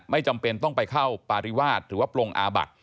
จำเป็นต้องไปเข้าปาริวาสหรือว่าปรงอาบัติ